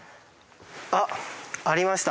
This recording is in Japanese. あっ！ありました。